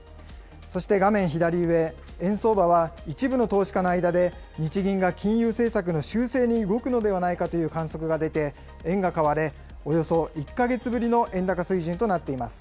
そして画面左上、円相場は一部の投資家の間で、日銀が金融政策の修正に動くのではないかという観測が出て、円が買われ、およそ１か月ぶりの円高水準となっています。